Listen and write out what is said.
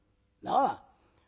なあ。